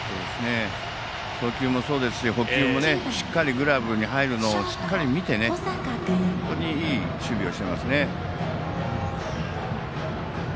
送球もそうですし捕球も、しっかりグラブに入るのをしっかり見て本当にいい守備をしていますね。